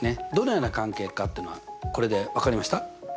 どのような関係かっていうのはこれで分かりました？